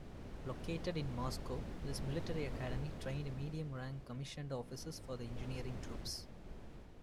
Located in Moscow, this military academy trained medium-rank commissioned officers for the Engineering Troops.